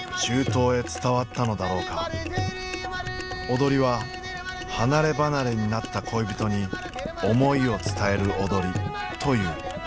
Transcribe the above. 踊りは離れ離れになった恋人に思いを伝える踊りという。